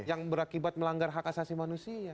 yang berakibat melanggar hak asasi manusia